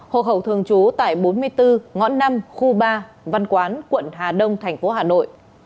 hộ khẩu thường trú tại bốn mươi bốn ngõ năm khu ba văn quán quận hà đông thành phố hà nội